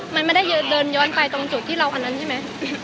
มันไม่ได้เดินย้อนไปตรงจุดที่เราอันนั้นใช่ไหม